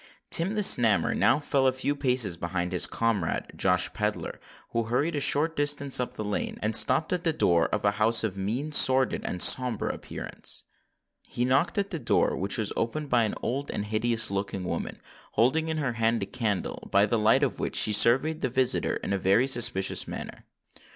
Tim the Snammer now fell a few paces behind his comrade, Josh Pedler, who hurried a short distance up the lane, and stopped at the door of a house of mean, sordid, and sombre appearance. He knocked at the door, which was opened by an old and hideous looking woman, holding in her hand a candle, by the light of which she surveyed the visitor in a very suspicions manner.